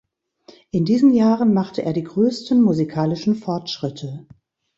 In diesen Jahren machte er die größten musikalischen Fortschritte.